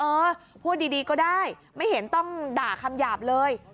เออพูดดีก็ได้ไม่เห็นต้องด่าคำหยาบเลย